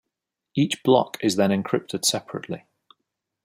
Each block is then encrypted separately.